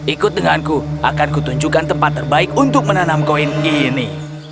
ikut denganku akan kutunjukkan tempat terbaik untuk menanam koin ini